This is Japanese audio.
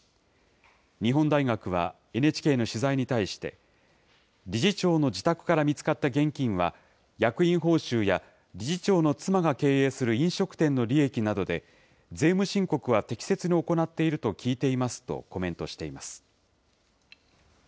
日本大学はＮＨＫの取材に対して、理事長の自宅から見つかった現金は、役員報酬や、理事長の妻が経営する飲食店の利益などで、税務申告は適切に行っていると聞いていますとコメントしています。